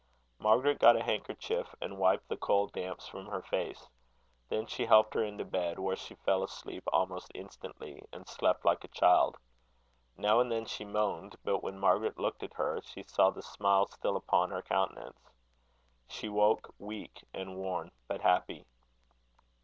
Margaret got a handkerchief, and wiped the cold damps from her face. Then she helped her into bed, where she fell asleep almost instantly, and slept like a child. Now and then she moaned; but when Margaret looked at her, she saw the smile still upon her countenance. She woke weak and worn, but happy.